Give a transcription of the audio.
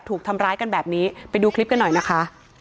ถูกทำร้ายกันแบบนี้ไปดูคลิปกันหน่อยนะคะ